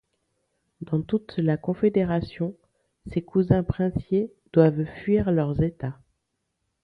Dans toute la Confédération, ses cousins princiers doivent fuir leurs états.